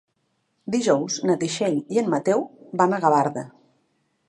Dijous na Txell i en Mateu van a Gavarda.